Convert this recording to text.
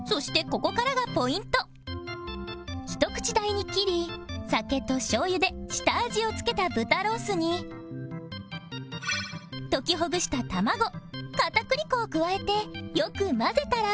ひと口大に切り酒としょう油で下味を付けた豚ロースに溶きほぐした卵片栗粉を加えてよく混ぜたら